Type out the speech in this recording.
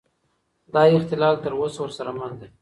دا اختلال تر اوسه ورسره مل دی.